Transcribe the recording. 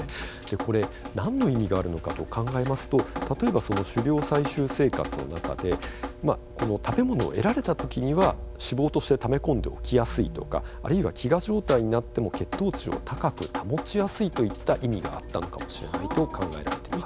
これ、何の意味があるのかと考えますと例えば、狩猟生活の中で食べ物を得られた時には脂肪としてため込んでおきやすいとかあるいは飢餓状態になっても血糖値を高く保ちやすいといった意味があったのかもしれないと考えられています。